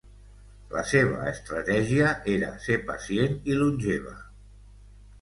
La seva estratègia era ser pacient i longeva.